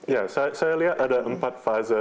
ya saya lihat ada empat fase